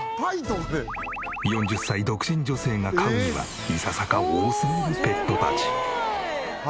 ４０歳独身女性が飼うにはいささか多すぎるペットたち。